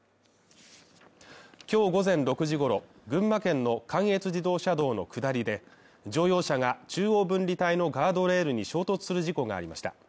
今日午前６時ごろ、群馬県の関越自動車道の下りで、乗用車が中央分離帯のガードレールに衝突する事故がありました。